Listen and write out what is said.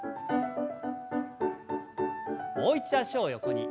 もう一度脚を横に。